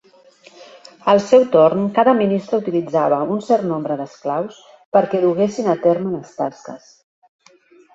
Al seu torn, cada ministre utilitzava un cert nombre d'esclaus perquè duguessin a terme les tasques.